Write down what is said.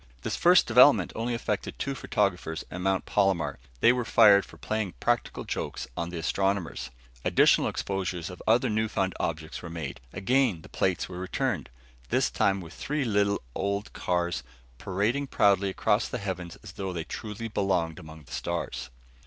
This first development only affected two photographers at Mount Palomar. They were fired for playing practical jokes on the astronomers. Additional exposures of other newfound objects were made. Again the plates were returned; this time with three little old cars parading proudly across the heavens as though they truly belonged among the stars.